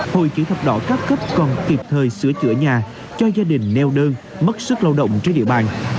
hội chữ thập đỏ các cấp còn kịp thời sửa chữa nhà cho gia đình neo đơn mất sức lao động trên địa bàn